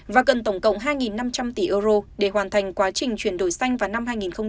và cần tổng cộng hai năm trăm linh tỷ euro để hoàn thành quá trình chuyển đổi xanh vào năm hai nghìn hai mươi